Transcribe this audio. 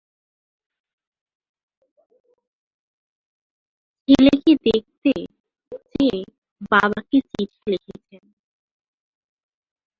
ছেলেকে দেখতে চেয়ে বাবাকে চিঠি লিখেছেন।